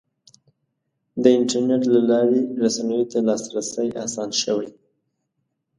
د انټرنیټ له لارې رسنیو ته لاسرسی اسان شوی.